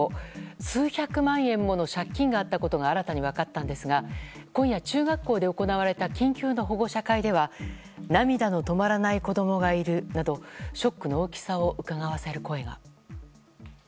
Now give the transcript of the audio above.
数百万円もの借金があったことが新たに分かったんですが今夜、中学校で行われた緊急の保護者会では涙の止まらない子供がいるなどショックの大きさをうかがわせる声が。